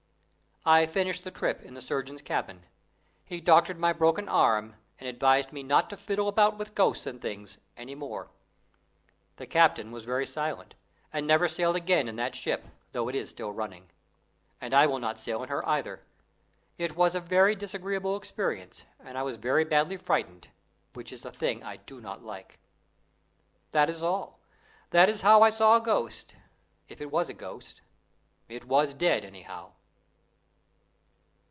I finished the trip in the surgeon's cabin. He doctored my broken arm, and advised me not to "fiddle about with ghosts and things" any more. The captain was very silent, and never sailed again in that ship, though it is still running. And I will not sail in her either. It was a very disagreeable experience, and I was very badly frightened, which is a thing I do not like. That is all. That is how I saw a ghost if it was a ghost. It was dead, anyhow.